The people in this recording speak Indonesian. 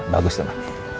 bagus noh ma